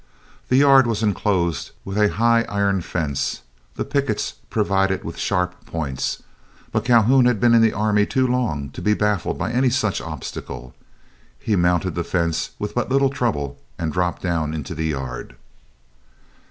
The yard was inclosed with a high iron fence, the pickets provided with sharp points. But Calhoun had been in the army too long to be baffled by any such obstacle. He mounted the fence with but little trouble and dropped down into the yard.